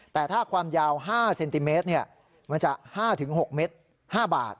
แต่ถ้าความยาว๕เซนติเมตรมันจะ๕๖เมตร๕บาท